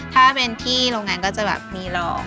ถ้าเป็นที่โรงงานก็จะแบบมีรอง